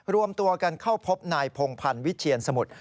รวมตัวกันเข้าพบนายพงพันธ์วิเชียนสมุทร